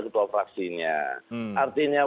ketua fraksinya artinya